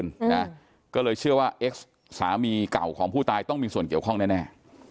แล้วเลยเชื่อว่าสามีเก่าภาพผู้ตายต้องมีส่วนเกี่ยวข้องแน่